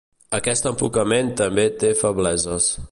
Aquest enfocament també té febleses.